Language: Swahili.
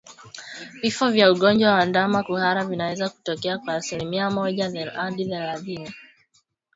Vifo kwa ugonjwa wa ndama kuhara vinaweza kutokea kwa asimilia moja hadi thelathini